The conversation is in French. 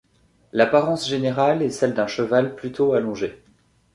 L'apparence générale est celle d'un cheval plutôt allongé.